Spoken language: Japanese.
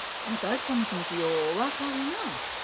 あんたあきさんの気持ちよう分かるな。